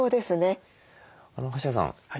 橋谷さん